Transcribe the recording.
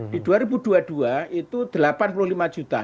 di dua ribu dua puluh dua itu delapan puluh lima juta